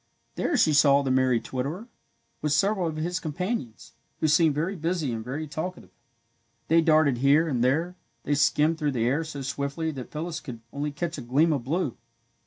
There she saw the merry twitterer, with several of his companions, who seemed very busy and very talkative. They darted here and there, they skimmed through the air so swiftly that Phyllis could only catch a gleam of blue.